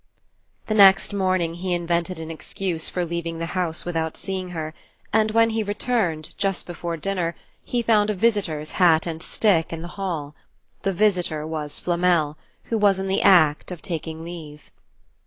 The next morning he invented an excuse for leaving the house without seeing her, and when he returned, just before dinner, he found a visitor's hat and stick in the hall. The visitor was Flamel, who was in the act of taking leave.